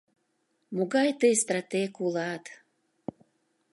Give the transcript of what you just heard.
Могай тый стратег улат?